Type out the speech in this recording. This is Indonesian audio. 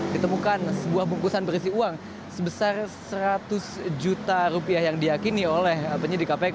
ditemukan sebuah bungkusan berisi uang sebesar seratus juta rupiah yang diakini oleh penyidik kpk